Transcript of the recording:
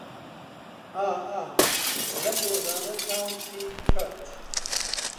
ئا ئا لەم ڕۆژانە چاوم پێی کەت